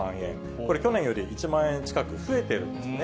これ、去年より１万円近く増えてるんですね。